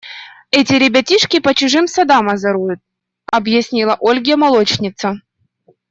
– Это ребятишки по чужим садам озоруют, – объяснила Ольге молочница.